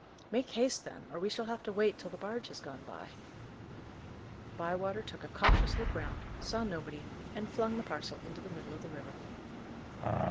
"Make haste, then, or we shall have to wait till the barge has gone by." Bywater took a cautious look round, saw nobody, and flung the parcel into the middle of the river.